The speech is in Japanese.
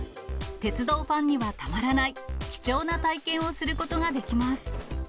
鉄道ファンにはたまらない貴重な体験をすることができます。